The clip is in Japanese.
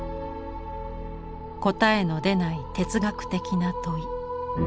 答えの出ない哲学的な問い。